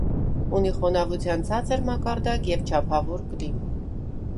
Ունի խոնավության ցածր մակարդակ և չափավոր կլիմա։